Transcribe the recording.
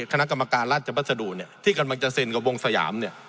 ธนกรรมการราชประสดุที่กำลังจะเซ็นกับวงสยาม